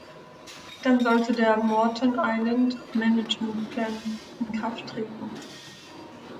Dann sollte der "Moreton Island Management Plan" in Kraft treten.